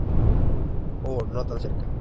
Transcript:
O no tan cerca.